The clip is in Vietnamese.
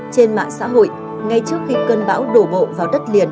trên mạng xã hội ngay trước khi cơn bão đổ